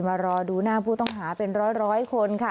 รอดูหน้าผู้ต้องหาเป็นร้อยคนค่ะ